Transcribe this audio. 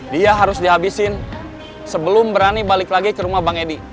dia harus dihabisin sebelum berani balik lagi ke rumah bang edi